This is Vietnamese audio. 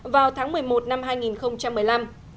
vào tháng một mươi một năm hai nghìn một mươi năm